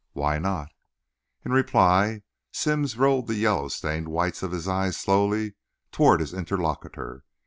"Why not?" In reply Sims rolled the yellow stained whites of his eyes slowly toward his interlocutor.